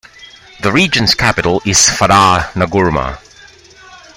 The region's capital is Fada N'gourma.